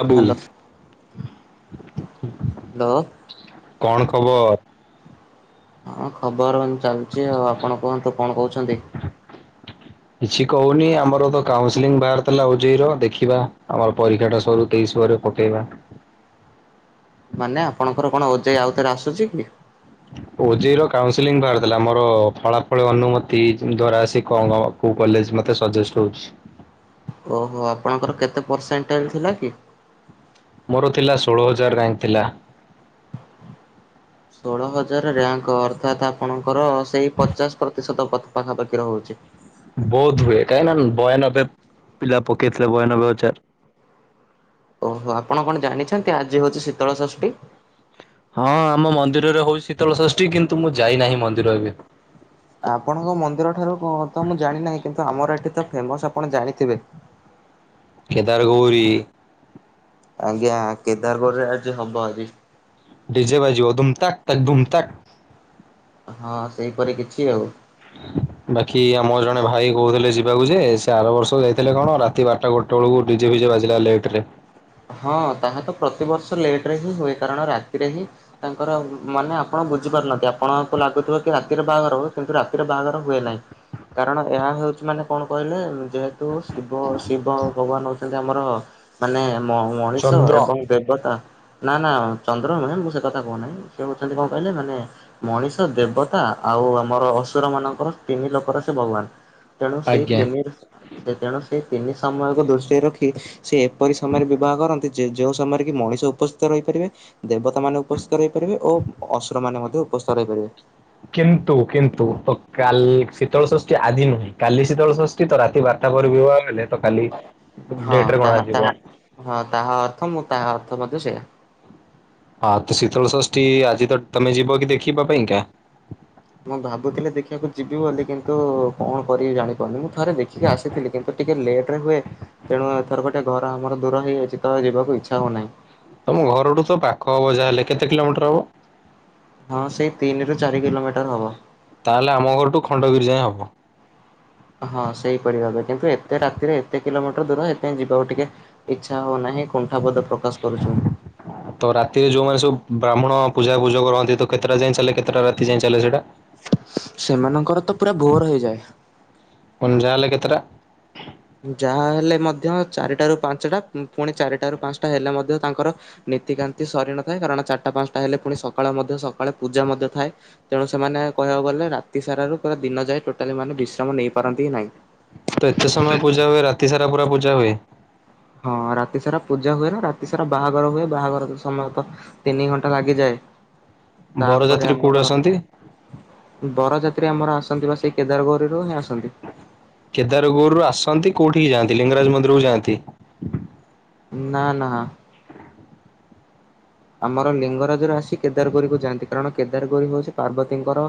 ବାବୁ hello hello. କଣ ଖବର? ହଁ ଖବର ଚାଲଚି ଆଉ ଆପଣ କୁହନ୍ତୁ କଣ କହୁଛନ୍ତି? କିଛି କହୁନି ଆମର ତ କାଉନସିଲଂ ବାହାର ଥିଲା ଓଜେଇ ର ଦେଖିବା ଆମର ପରୀକ୍ଷାଟା ସରୁ ତେଇଶ ପରେ ପକେଇବା। ମାନେ ଆପଣଙ୍କର କଣ ଓଜାଇ ଆଉ ଥରେ ଆସୁଛି କି? ଓଜେଇ ର କାଉନ୍ସଲିଙ୍ଗ ବାହାରିଥିଲା ମୋର ଫଳାଫଳ ଅନୁମତି ଦ୍ଵାରା ସେ କଁ କଁ କଉ କଉ କଲେଜ ମତେ ସଜେଷ୍ଟ ହଉଛି। ଓହୋ ଆପଣଙ୍କର କେତେ ପରସେଣ୍ଟେର ଥିଲା କି? ମୋର ଥିଲା ଷୋହଳ ହଜାର ଋ୍ୟାଙ୍କ ଥିଲା। ଷୋହଳ ହଜାର ଋ୍ୟାଙ୍କ ଅର୍ଥାତ୍ ଆପଣ ଙ୍କର ସେଇ ପଚାଶ ପ୍ରତିଶତ ପ ପାଖାପାଖି ରହୁଚି। ବୋଧ ହୁଏ, କାହିଁକି ନା ବୟାନବେ ପିଲା ପକେଇଥିଲେ ବୟାନବେ ହଜାର। ଅହୋ। ଆପଣ କଣ ଜାଣିଛନ୍ତି ଆଜି ହଉଚି ଶୀତଳ ଷଷ୍ଠୀ? ହଁ, ଆମ ମନ୍ଦିରରେ ହଉଚି ଶୀତଳ ଷଷ୍ଠୀ କିନ୍ତୁ ମୁଁ ଯାଇନାହିଁ ମନ୍ଦିର ଏବେ। ଆପଣଙ୍କ ମନ୍ଦିର ଠାରୁ କଣ ତ ମୁଁ ଜାଣି ନାହିଁ କିନ୍ତୁ ଆମର ଏଠି ତ ଫେମସ୍ ଆପଣ ଜାଣିଥିବେ। କେଦାର ଗୌରୀ। ଆଜ୍ଞା କେଦାର ଗୌରୀରେ ଆଜି ହବ ଆଜି। ଡି ଜେ ବାଯିବ ଓ ଧୁମତାକ କା ଧୁମ ତାକ। ହଁ ସେଇପରି କିଛି ଆଉ ନା ଭାଇ କହୁଥିଲେ ଯିବାକୁ ଯେ, ସେ ଆର ବର୍ଷ ଯାଇଥିଲେ କଣ ରାତି ବାରଟା ଗୋଟେ ବେଳକୁ ଡି ଜେ ଫିଜେ ବାଜିଲା ଲେଟ ରେ। ହଁ ତାହା ତ ପ୍ରତିବର୍ଷ ଲେଟରେ ହିଁ ହୁଏ କାରଣ ରାତିରେ ହିଁ ତାଙ୍କର ମାନେ ଆପଣ ବୁଝିପାରୁନାହାନ୍ତି ଆପଣଙ୍କୁ ଲାଗୁଥିବ କି ରାତିରେ ବାହାଘର ହବ କିନ୍ତୁ ରାତିରେ ବାହାଘର ହୁଏ ନାହିଁ କାରଣ ଏହା ହେଉଚି ମାନେ କଣ କହିଲେ ଯେହେତୁ ଶିବ ଶିବ ଭଗବାନ ହଉଚନ୍ତି ଆମର ମାନେ ମଣିଷ ଚନ୍ଦ୍ର ଏବଂ ଦେବତା। ନା ନା ଚନ୍ଦ୍ର ନୁହ, ମୁଁ ସେ କଥା କହୁନାହିଁ ସେ ହଉଚନ୍ତି କଣ କହିଲେ ମାନେ ମଣିଷ ଦେବତା ଆଉ ଆମର ଅସୁର ମାନଙ୍କର ତିନି ଲୋକର ସେ ଭଗବାନ। ତେଣୁ ସେଇ ଆଜ୍ଞା। ତିନି ତେଣୁ ସେଇ ତିନି ସମୟକୁ ଦୃଷ୍ଟିରେ ରଖି ସେ ଏପରି ସମୟରେ ବିବାହ କରନ୍ତି ଯେ ଯୋଉ ସମୟରେ କି ମଣିଷ ଉପସ୍ଥିତ ରହିପାରିବେ, ଦେବତା ମାନେ ଉପସ୍ଥିତ ରହିପାରିବେ ଓ ଅ-ଅସୁର ମାନେ ମଧ୍ୟ ଉପସ୍ଥିତ ରହିପାରିବେ। କିନ୍ତୁ କିନ୍ତୁ ତ କାଲି ଶୀତଳ ଷଷ୍ଠୀ ଆଜି ନୁହେଁ କାଲି ଶୀତଳ ଷଷ୍ଠୀ ତ ରାତି ବାରଟା ପରେ ବିବାହ ହେଲେ। ତ କାଲି ହଁ ଡେଟରେ କଣ ଆଯିବ ପ୍ରଥମ ତା ଅର୍ଥ ମଧ୍ୟ ସେଇୟା। ହଁ ତ ଶୀତଳଷଷ୍ଠୀ ଆଜି ତ ତମେ ଯିବ କି ଦେଖିବା ପାଇଁକା? ମୁଁ ଭାବୁଥିଲି ଦେଖିବାକୁ ଯିବି ବୋଲି କିନ୍ତୁ କଣ କରିବି ଜାଣିପାରୁନି ମୁଁ। ଥରେ ଦେଖିକି ଆସିଥିଲି କିନ୍ତୁ ଟିକେ ଲେଟ ହୁଏ ତେଣୁ ଏଥର ଗୋଟେ ଘର ଆମର ଦୂର ହେଇଯାଇଚି ତ ଯିବାକୁ ଇଚ୍ଛା ହଉନାହିଁ। ତମ ଘରଠୁ ତ ପାଖ ହବ ଯାହାହେଲେ କେତେ କିଲୋମିଟର ହବ? ହଁ ସେଇ ତିନିରୁ ଚାରି କିଲୋମିଟର ହବ। ତାହେଲେ ଆମ ଘରଠୁ ଖଣ୍ଡଗିରି ଯାଏଁ ହବ। ହଁ ସେଇପରି ଭାବେ କିନ୍ତୁ ଏତେ ରାତିରେ ଏତେ କିଲୋମିଟର ଦୂର ଏକା ଯିବାକୁ ଟିକେ ଇଚ୍ଛା ହଉନାହିଁ। କୁଣ୍ଠାବୋଧ ପ୍ର ତ ରାତିରେ ଯୋଉମାନେ ସବୁ ବ୍ରାହ୍ମଣ ପୂଜା ପୂଜକ ରହନ୍ତି ତ କେତଟା ଜିନ କେତଟା ରାତି ଯାଏଁ ଚାଲେ ସେଇଟା? ସେମାନଙ୍କର ତ ପୁରା ଭୋର ହେଇଯାଏ। କ ଯାହାଲେ କେତେଟା? ଯାହା ହେଲେ ମଧ୍ୟ ଚାରିଟା ରୁ ପାଞ୍ଚଟା ପୁଣି ଚାରିଟାରୁ ପାଞ୍ଚଟା ହେଲେ ମଧ୍ୟ ତାଙ୍କର ନୀତିକାନ୍ତି ସରି ନଥାଏ କାରଣ ଚାରଟା ପାଞ୍ଚଟା ହେଲେ ପୁଣି ସକାଳେ ମଧ୍ୟ ସକାଳେ ପୂଜା ମଧ୍ୟ ଥାଏ ତେଣୁ ସେମାନେ କହିବାକୁ ଗଲେ ରାତି ସାରାରୁ ପୁରା ଦିନ ଯାଏ ଟୋଟାଲି ମାନେ ବିଶ୍ରାମ ନେଇପାରନ୍ତି ନାଇଁ। ତ ଏତେ ସମୟ ପୂଜା ହୁଏ ରା ତିସାରା ପୁରା ପୂଜା ହୁଏ? ହଁ ରାତି ସାରା ପୂଜା ହୁଏ ନା, ରାତି ସାରା ବାହାଘର ହୁଏ। ବାହାଘର ସମୟ ତିନି ଘଣ୍ଟା ଲାଗିଯାଏ। ତାପରେ ବରଯାତ୍ରୀ କୋଉଠୁ ଆମର ଆସନ୍ତି? ବରଯାତ୍ରୀ ଆମର ଆସନ୍ତି ବା ସେଇ କେଦାରଗୌରିରୁ ହିଁ ଆସନ୍ତି। କୋଉଠି କି ଯାଆନ୍ତି ଲିଙ୍ଗରାଜ ମନ୍ଦିରକୁ ଯାଆନ୍ତି। ନା ନା। ଆମର ଲିଙ୍ଗରାଜରୁ ଆସି କେଦଗୋରୀକୁ ଯାଆନ୍ତି କାରଣ କେଦାରଗୌରୀ ହଉଛି ପାର୍ବତୀଙ୍କର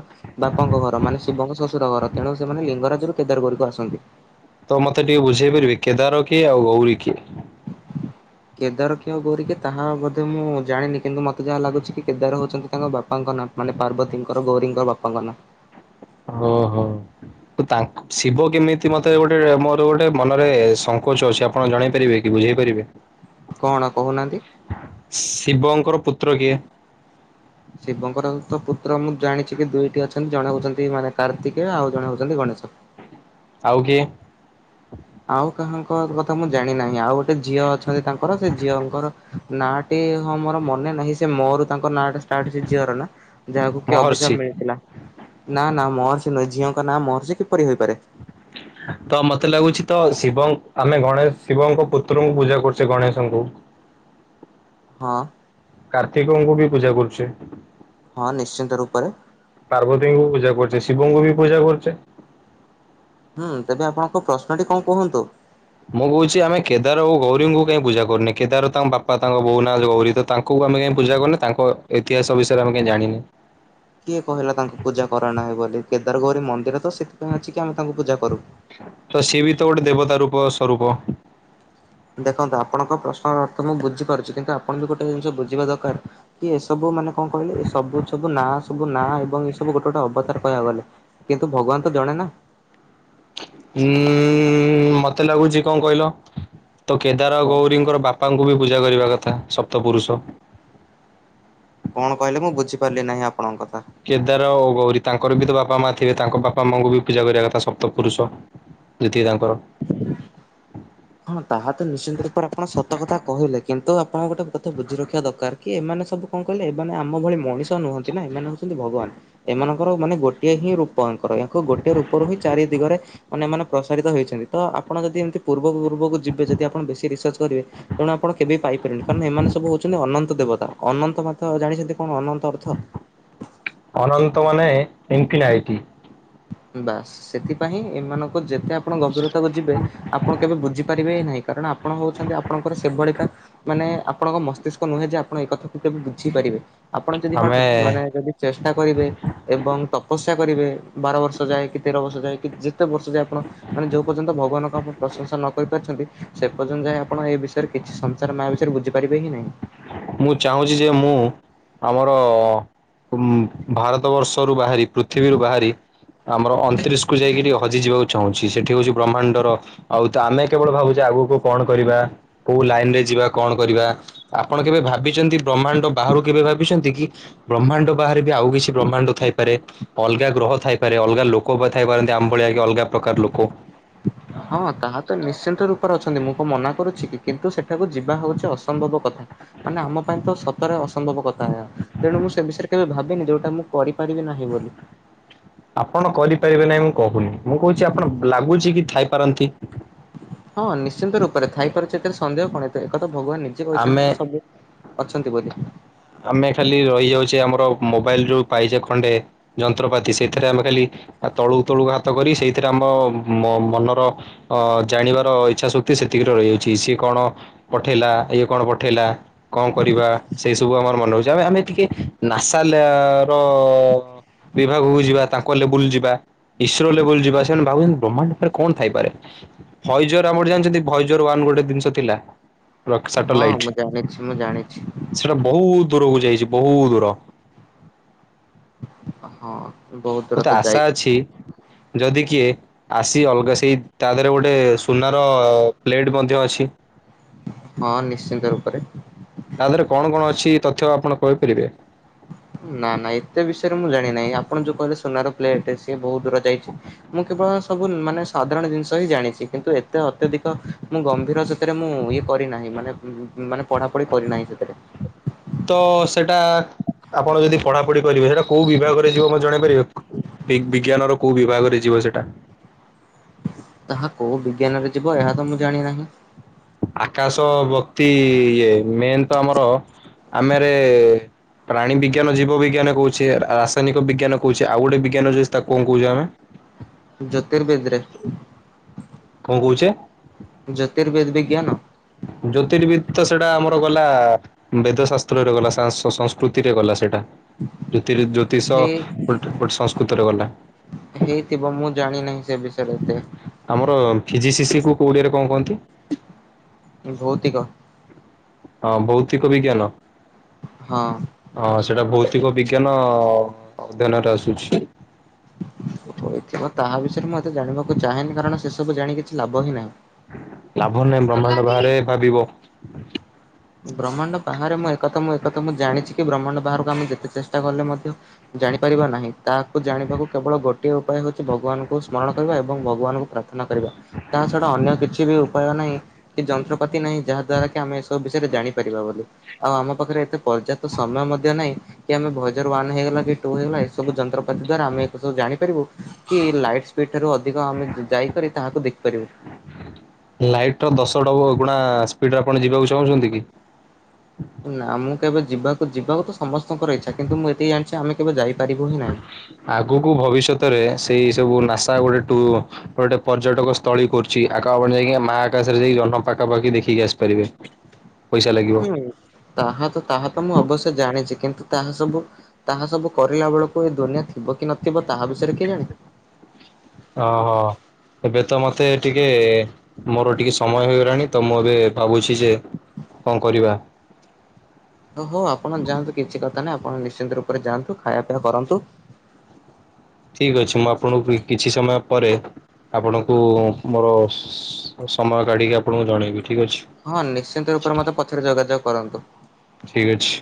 ବାପାଙ୍କ ଘର ମାନେ ଶିବଙ୍କ ଶ୍ୱଶୁର ଘର ତେଣୁ ସେମାନେ ଲିଙ୍ଗରାଜରୁ କେଦାରଗୌରୀକୁ ଆସନ୍ତି ତ ମୋତେ ଟିକେ ବୁଝେଇ ପାରିବେ କେଦାର କିଏ ଆଉ ଗୌରୀ କିଏ? କେଦାର କିଏ ଆଉ ଗୌରୀ କିଏ ତାହା ବୋଧେ ମୁଁ ଜାଣିନି କିନ୍ତୁ ମୋତେ ଯାହା ଲାଗୁଛି କି କେଦାର ହଉଛନ୍ତି ତାଙ୍କ ବାପାଙ୍କ ନାଁ ମାନେ ପାର୍ବତୀଙ୍କର ଗୌରୀଙ୍କର ବାପାଙ୍କ ନାଁ ଓହୋ ତା ଶିବ କେମିତି ମତେ ଗୋଟେ ମୋର ଗୋଟେ ମନରେ ସଙ୍କୋଚ ଅଛି ଆପଣ ଜଣେଇ ପାରିବେ କି ବୁଝେଇ ପାରିବେ? କଣ କହୁନାହାନ୍ତି। ଶିବଙ୍କର ପୁତ୍ର କିଏ? ଶିବଙ୍କର ତ ପୁତ୍ର ମୁଁ ଜାଣିଛି କି ଦୁଇଟି ଅଛନ୍ତି ଜଣେ ହଉଛନ୍ତି ମାନେ କାର୍ତ୍ତିକେୟ ଆଉ ଜଣେ ହଉଛନ୍ତି ଗଣେଶ। ଆଉ କିଏ? ଆଉ କାହାଙ୍କ କଥା ମୁଁ ଜାଣି ନାହିଁ ଆଉ ଗୋଟେ ଝିଅ ଅଛନ୍ତି ତାଙ୍କର ସେ ଝିଅଙ୍କର ନାଁଟି ହଁ ମୋର ମନେ ନାହିଁ ସେ ମୋ ରୁ ତାଙ୍କ ନାଁଟା ଷ୍ଟାର୍ଟ ସେ ଝିଅର ନା ଯାହାକୁ କି ମହର୍ଷି ଅଭିଶାପ ମିଳିଥିଲା ନା ନା ମହର୍ଷି ନୁହେ ଝିଅଙ୍କ ନାଁ ମହର୍ଷି କିପରି ହୋଇପାରେ। ତ ମତେ ଲାଗୁଛି ତ ଶିବ ଆମେ ଗଣେଶ ଶିବଙ୍କ ପୁତ୍ରଙ୍କୁ ପୂଜା କରୁଛେ ଗଣେଶଙ୍କୁ। ହଁ। କାର୍ତ୍ତିକଙ୍କୁ ବି ପୂଜା କରୁଛେ। ହଁ ନିଶ୍ଚିନ୍ତ ରୂପରେ ପାର୍ବତୀଙ୍କୁ ପୂଜା କରୁଛି ଶିବଙ୍କୁ ବି ପୂଜା କରୁଛେ। ହୁଁ ତେବେ ଆପଣଙ୍କ ପ୍ରଶ୍ନଟି କଣ କୁହନ୍ତୁ। ମୁଁ କହୁଛି ଆମେ କେଦାର ଓ ଗୌରୀଙ୍କୁ କାଇଁ ପୂଜା କରୁନେ କେଦାର ତାଙ୍କ ବାପା ତାଙ୍କ ବୋଉ ନା ଗୌରୀ ତ ତାଙ୍କୁ ଆମେ କାଇଁ ପୂଜା କରୁନେ ତାଙ୍କ ଇତିହାସ ବିଷରେ ଆମେ କାଇଁ ଜାଣିନେ? କିଏ କହିଲା ତାଙ୍କୁ ପୂଜା କର ନାହିଁ ବୋଲି କେଦାରଗୌରୀ ମନ୍ଦିର ତ ସେଥିପାଇଁ ଅଛି କି ଆମ ତ ସିଏ ବି ତ ଗୋଟେ ଦେବତା ରୂପ ସ୍ଵରୂପ। ଦେଖନ୍ତୁ ଆପଣଙ୍କ ପ୍ରଶ୍ନର ଅର୍ଥ ମୁଁ ବୁଝିପାରୁଛି କିନ୍ତୁ ଆପଣ ବି ଗୋଟେ ଜିନିଷ ବୁଝିବା ଦରକାର କି ଏସବୁ ମାନେ କଣ କହିଲେ ଏ ସବୁ ସବୁ ନାଁ ସବୁ ନାଁ ଏବଂ ଏ ସବୁ ଗୋଟେ ଗୋଟେ ଅବତାର କହିବାକୁ ଗଲେ କିନ୍ତୁ ଭଗବାନ ତ ଜଣେ ନା। ହୁଁ ଉଁ ମୋତେ ଲାଗୁଚି କଣ କହିଲ? ତ କେଦାର ଗୌରୀଙ୍କର ବାପାଙ୍କୁ ବି ପୂଜା କରିବା କଥା ସପ୍ତପୁରୁଷ କଣ କହିଲେ ମୁଁ ବୁଝିପାରିଲି ନାହିଁ ଆପଣଙ୍କ କଥା କେଦାର ଓ ଗୌରୀ ତାଙ୍କର ବି ତ ବାପା ବାପା ମା ଥିବେ ତାଙ୍କ ବାପା ମାଙ୍କୁ ବି ପୂଜା କରିବା କଥା ସପ୍ତ ପୁରୁଷ ଯେ ତା- ଙ୍କର ହଁ ତାହା ତ ନିଶ୍ଚିନ୍ତ ରୂପରେ ଆପଣ ସତ କଥା କହିଲେ କିନ୍ତୁ ଆପଣ ଗୋଟେ କଥା ବୁଝି ରଖିବା ଦରକାର କି ଏମାନେ ସବୁ କଣ କହିଲେ ଏମାନେ ଆମ ଭଳି ମଣିଷ ନୁହଁନ୍ତି ନା ଏମାନେ କିନ୍ତୁ ଭଗବାନ ଏମାନଙ୍କ ଧର ମାନେ ଗୋଟିଏ ହିଁ ରୂପ ୟାଙ୍କର ୟାଙ୍କ ଗୋଟଏ ରୂପରୁ ହିଁ ଚାରି ଦିଗରେ ମାନେ ମାନେ ପ୍ରସାରିତ ହେଇଛନ୍ତି ତ ଆପଣ ଯଦି ଏମିତି ପୂର୍ବ ପୂର୍ବକୁ ଯିବେ ଯଦି ଆପଣ ବେଶ ରିସର୍ଚ୍ଚ କରିବେ ତେଣୁ ଆପଣ କେବେ ବି ପାଇ ପାରିବେନି କାରଣ ଏମାନେ ସବୁ ହଉଛନ୍ତି ଅନନ୍ତ ଦେବତା ଅନନ୍ତ ମଧ୍ୟ୍ୟ ଜାଣିଛନ୍ତି କଣ ଅନନ୍ତ ଅର୍ଥ। ଅନନ୍ତ ମାନେ ଇନଫିନାଇଟି ବାସ୍ ସେଥିପାଇଁ ଏମାନଙ୍କ ଯେତେ ଆପଣ ଗଭୀରତାକୁ ଯିବେ ଆପଣ କେବେ ବୁଝି ପାରିବେ ହି ନାଇଁ କି କାରଣ ଆପଣ ହଉଛନ୍ତି ଆପଣଙ୍କର ସେଭଳିିକା ମାନେ ଆପଣଙ୍କ ମସ୍ତିଷ୍କ ନୁହେଁ ଯେ ଆପଣ ଏ କଥାକୁ କେବେ ବୁଝିପାରିବେ ଆପଣ ଯଦି ଆମେ ହଁ--ମାନେ ଯଦି ଚେଷ୍ଟା କରିବେ ଏବଂ ତପସ ଅପେକ୍ଷା କରିବେ ବାର ବର୍ଷ ଯାଏ କି ତେର ବର୍ଷ ଯାଏ ଯେତେ ବର୍ଷ ଯାଏ ଆପଣ ମାନେ ଯୋଉ ପର୍ଯ୍ୟନ୍ତ ଭଗାନଙ୍କଣ ପ୍ରଶଂସା ନ କରିପାରୁଛନ୍ତି, ସେ ପର୍ଯ୍ୟନ୍ତ ଯାଏଁ ଆପଣ ଏ ବିଷୟରେ କିଛି ସଂସାର ମାୟା ବିଷୟରେ ବୁଝିପାରିବେ ହିଁ ନାହିଁ। ମୁଁ ଚାହୁଁଛି ଯେ ମୁଁ ଆମରଅଅ ଉମ୍ ଭାରତବର୍ଷରୁୁ ବାହାରି ପୃଥିବୀରୁୁ ବାହାରି ଆମର ଅଣତିରିଶକୁ ଯାଇକି ଟିକେ ହଜିଯିବାକୁ। ଚାହୁଁଛି ସେଠି ହଉଛି ବ୍ରହ୍ମାଣ୍ଡର ଆଉ ତ ଆମେ କେବଳ ଭାବୁ ଆଗକୁ କଣ କରିବା କୋଉ ଲାଇନରେ ଯିବା କଣ କରିବା। ଆପଣ କେବେ ଭାବିଚନ୍ତି? ବ୍ରହ୍ମାଣ୍ଡ ବାହାରୁ କେବେ ଭାବିଛନ୍ତି କି? ବ୍ରହ୍ମାଣ୍ଡ ବାହାରେ। ଆଉ କିଛି ବ୍ରହ୍ମାଣ୍ଡ ଥାଇପାରେ ଅଲଗା ଗ୍ରହ ଥାଇ ଆରେ ଅଲଗା ଲୋକ ପା ଥାଇ ପାଇ ପାରନ୍ତି ଆମ୍ ଭଳିଆ ‌ହେଇକି ଅଲଗା। ପ୍ରକାର ଲୋକ ହଁ ତାହା ତ ନିଶ୍ଚିନ୍ତ ରୂପରେ ଅଛନ୍ତି ମୁଁ କଣ ମନା କରୁଛି କି? କିନ୍ତୁ ସେଠାକୁ ଯିବା ହଉଛି ଅସମ୍ଭବ କଥା, ମାନେ ଆମ ପାଇଁ ତ ସତରେ ଅସମ୍ଭବ କଥା ଏହା, ତେଣୁ ମୁଁ ସେ ବିଷୟରେ କେବେ ଭାବିନି ଯୋଉଟା ମୁଁ କରିପାରିବି ନାହିଁ ବୋଲି। ଆପଣ କରିପାରିବେ ନାଇଁ ମୁଁ କହୁନି। ମୁଁ କହୁଛି ଆପଣ ଲାଗୁଛି କି ଥାଇପାରନ୍ତି? ହଁ ନିଶ୍ ନିଶ୍ଚିନ୍ତ ରୂପରେ ଥାଇପାରୁଛି ଏଥିରେ ସନ୍ଦେହ କଣ ଏଇଟା? ଏକ [inaudible] ଭଗବାନ ନିଜେ କହିଛନ୍ତି ଆମେ କି ସବୁ। ଅଛନ୍ତି ବୋଲି। ଆମେ ଖାଲି ରହିଯାଉଛେ ଆମର ମୋବାଇଲ ଯୋଉ ପାଇଛେ ଖଣ୍ଡେ, ଯନ୍ତ୍ରପାତି ସେଇଥିରେ ଆମେ ଖାଲି ତଳୁକୁ ତଳୁକୁ ହାତ କରି ସେଇଥିରେ ଆମ ମ ମନର ଜାଣିବାର ଇଚ୍ଛା ଶକ୍ତି ସେତିକିରେ ରହିଯାଉଛି ସିଏ କଣ ପଠେଇଲା ଇଏ କଣ ପଠେଇଲା। କଣ କରିବା ସେଇସ୍ କଣ ମନେ ହେଉଛି ଆମେ ଆମେ ଟିକେ ନାସା ର ବିଭାଗକୁ ଯିବା ତାଙ୍କ ଲେବୁଲ ଯିବା ଇସ୍ରୋ ଲେବୁଲ ଯିବା ସେମାନେ ଭାବୁଛନ୍ତି ବ୍ରହ୍ମାଣ୍ଡ ଉପରେ କଣ ଥାଇପାରେ। ହଇଜୋର୍ [unintelligible] ଜାଣିଛନ୍ତି? ଭୈଜର ୱାନ୍ ଗୋଟେ ଜିନିଷ ଥିଲା। ହଁ ସାଟେଲାଇଟ ମୁଁ ଜାଣିଛି ମୁଁ ଜାଣିଛି। ସେଟା ବହୁତ ଦୂରକୁ ଯାଇଛି ବହୁତ ଦୂର ଓହ ମତେ ଆଶା ଅଛି, ଯଦି କିଏ। ଆସି ଅଲଗା ସେଇ ତା ଧେରେ ଗୋଟେ ସୁନାର ପ୍ଲେଟ୍ ମଧ୍ୟ ଅଛି। ହଁ ନିଶ୍ଚିନ୍ତ ରୂପରେ। ତା ଦେହରେ କଣ କଣ ଅଛି ତଥ୍ୟ ଆପଣ କହିପାରିବେ? ନା ନା ଏତେ ବିଷୟରେ ମୁଁ ଜାଣି ନାହିଁ, ଆପଣ ଯୋଉ କହିଲେ ସୁନାର ପ୍ଲେଟ୍, ସିଏ ବହୁ ଦୂର ଯାଇଚି। ମୁଁ କେବଳ ସବୁ ମାନେ ସାଧାରଣ ଜିନିଷ ହିଁ ଜାଣିଚି କିନ୍ତୁ ଏତେ ଅତ୍ୟଧିକ ମୁଁ ଗମ୍ଭୀର ସେଥିରେ ମୁଁ ଇଏ କରିନାହିଁ ମାନେ ମାନେ ପଢାପଢି କରିନାହିଁ ସେଥିରେ। ତ ସେଟା ଆପଣ ଯଦି ପଢାପଢି କରିବେ ସେଇଟା କୋଉ ବିଭାଗରେ ଯିବ ମତେ ଜଣେଇପାରିବେ? ବି ବିଜ୍ଞାନର କୋଉ ବିଭାଗରେ ଯିବ ସେଟା? ତାହା କୋଉ ବିଜ୍ଞାନରେ ଯିବ ଏହା ତ ମୁଁ ଜାଣି ନାହିଁ। ଆକାଶ ବକ୍ତି ଇଏ ମେନ୍ ତ ଆମର ଆମେରେ ପ୍ରାଣୀ ବିଜ୍ଞାନ ଜୀବ ବିଜ୍ଞାନ କହୁଛେ, ରାସାୟନିକ ବିଜ୍ଞାନ କହୁଛେ ଆଉ ଗୋଟେ ବିଜ୍ଞାନ ଯୋଉ ଅଛି ତାକୁ କଣ କହୁଛେ ଆମେ? ଜ୍ୟୋତିର୍ବିଦରେ। କୋହୁଚେ। ଜ୍ୟୋତିର୍ବିଦ ବିଜ୍ଞାନ? ସେଟା ଆମର ଗଲା ବେଦ ଶାସ୍ତ୍ରରେ ଗଲା, ସା ସଂସ୍କୃତିରେ ଗଲା ସେଇଟା। ଜୋତିର୍ବିଦ-ଜ୍ୟୋତିଷ ହେଇ ଗୋଟେ-ଗୋଟେ ସଂସ୍କୃତରେ ଗଲା। ହେଇଥିବ ମୁଁ ଜାଣିନାହିଁ ସେ ବିଷୟରେ ଏତେ ଆମର ଫିଜିସିସି କୁ ଓଡିଆରେ କଁ କଅନ୍ତି? ଭୌତିକ। ହଁ ଭୌତିକ ବିଜ୍ଞାନ? ହଁ ହଁ ସେଟା ଭୌତି କ ବିଜ୍ଞାନ-ଅ-ଅ ଅଧ୍ୟୟନରେ ଆସୁଛି। ହୋଇଥିବ, ତାହା ବିଷୟରେ ମୁଁ ଏତେ ଜାଣିବାକୁ ଚାହେଁନି। କାରଣ, ସେ ସବୁ ଜାଣି କିଛି ଲାଭ ହିଁ ନାହିଁ। ଲାଭ ନାହିଁ ବ୍ରହ୍ମାଣ୍ଡ ବାହାରେ ଭାବିବ। ବ୍ରହ୍ମାଣ୍ଡ। ବାହାରେ ମୁଁ ଏ କଥା ମୁଁ ଏ କଥା ମୁଁ ଜାଣିଚି। କି ବ୍ରହ୍ମାଣ୍ଡ ବାହାରକୁ ଆମେ ଯେତେ ଚେଷ୍ଟା କଲେ ମଧ୍ୟ, ଜାଣିପାରିବା ନାହିଁ। ତାହାକୁ ଜାଣିବାକୁ କେବଳ ଗୋଟିଏ ଉପାୟ ହୋଉଚି ଭଗବାନଙ୍କୁ ସ୍ମରଣ କରିବା ଏବଂ ଭଗବାନଙ୍କୁ ପ୍ରାର୍ଥନା କରିବା। ତା ଛଡା ଅନ୍ୟ କିଛି ବି ଉପାୟ ନାଇଁ କି ଯନ୍ତ୍ର ପାତି ନାହିଁ, ଯାହା ଦ୍ୱାରା କି ଆମେ ଏସ ବିଷୟରେ ଜାଣିପାରିବା ବୋଲି। ଆଉ ଆମ ପାଖରେ ଏତେ ପର୍ଯ୍ୟାପ୍ତ ସମୟ ମଧ୍ୟ ନାହିଁ, କି ଆମେ ଭଜର ୱାନ ହେଇଗଲା କି ଟୂ ହେଇଗଲା, ଏ ସବୁ ଯନ୍ତ୍ରପାତି ଦ୍ଵାରା ଆମେ ଏକୁ ସବୁ ଜାଣିପାରିବୁ, କି ଲାଇଟ୍ ସ୍ପିଡ ଠାରୁ ଅଧିକ ଆମେ ଯାଇକରି ତାହାକୁ ଦେଖିପାରିବୁ। ଲାଇଟ ର ଦଶ ଡବଲ ଗୁଣା ସ୍ପିଡରେ ଆପଣ ଯିବାକୁ ଚାହୁଁଛନ୍ତି କି? ନା ମୁଁ କେବେ ଯିବାକୁ, ଯିବାକୁ ତ ସମସ୍ତଙ୍କର ଇଚ୍ଛା କିନ୍ତୁ ମୁଁ ଏତକି ଜାଣିଚି ଆମେ କେବେ ଯାଇ ଆଗକୁ ଭବିଷ୍ୟତରେ ସେ ଏଇ ସବୁ, ନାସା ଗୋଟେ ଟୂ, ଗୋଟେ ପର୍ଯ୍ୟଟକ ସ୍ଥଳୀ କରୁଚି। ଆକା ଆପଣ ଯାଇକି ନା ମାଆ ଆକାଶରେ ଯାଇକି ଜହ୍ନ ପାଖାପାଖି ଦେଖିକି ଆସିପାରିବେ। ପଇସା ଲାଗିବ ହୁଁ ତାହା ତ ତାହା ତ ମୁଁ ଅବଶ୍ୟ ଜାଣିଚି। କିନ୍ତୁ, ତାହା ସବୁ ତାହା ସବୁ କରିଲା ବେଳକୁ ଏ ଦୁନିଆ ଥିବ କି ନଥି ଥିବ ତାହା ବିଷୟରେ କିଏ ଜାଣେ? ଓହୋ ଏବେ ତ ମତେ ଟିକେ-ଏ, ମୋର ଟିକେ ସମୟ ହେଇଗଲାଣି ତ ମୁଁ ଏବେ ଭାବୁଚି ଯେ କଅଁ କରିବା? ଓହୋ ଆପଣ ଯାଆନ୍ତୁ କିଛି କଥା ନାହିଁ, ଆପଣ ନିଶ୍ଚିନ୍ତ ରୂପ ଯାଆନ୍ତୁ ଖାଇବା ପିଇବା କରନ୍ତୁ। ଠିକ୍ ଅଛି ମୁଁ ଆପଣଙ୍କୁ କିଛି ସମୟ ପରେ ଆପଣଙ୍କୁ ମୋର ସମୟ କାଢିକି ଆପଣଙ୍କୁ ଜଣେଇବି। ଠିକ୍ ଅଛି ହଁ ନିଶ୍ଚିନ୍ତ ରୂପରେ ମତେ ପଛରେ ଯୋଗାଯୋଗ କରନ୍ତୁ। ଠିକ୍ ଅଛି।